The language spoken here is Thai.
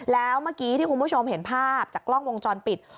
แล้วเมื่อกี้ที่คุณผู้ชมเห็นภาพจากกล้องวงจรปิด